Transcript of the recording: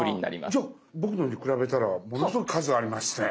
じゃあ僕のに比べたらものすごい数ありますね。